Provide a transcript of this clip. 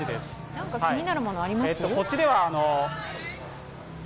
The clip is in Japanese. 何か気になるものあります？